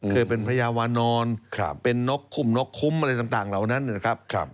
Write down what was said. เคยเป็นพญาวานอนเป็นนกขุ่มนกคุ้มอะไรต่างเหล่านั้นนะครับ